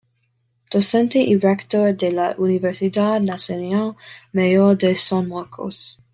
Docente y Rector de la Universidad Nacional Mayor de San Marcos.